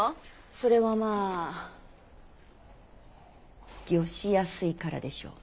それはまあ御しやすいからでしょ。